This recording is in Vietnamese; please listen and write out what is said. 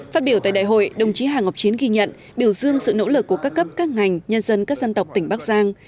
phát biểu tại đại hội đồng chí hà ngọc chiến ghi nhận biểu dương sự nỗ lực của các cấp các ngành nhân dân các dân tộc tỉnh bắc giang